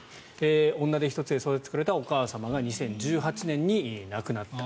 女手一つで育ててくれたお母さまが２０１８年に亡くなった。